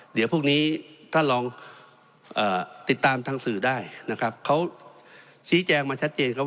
เดี๋ยวพรุ่งนี้ท่านลองติดตามทางสื่อได้นะครับเขาชี้แจงมาชัดเจนครับ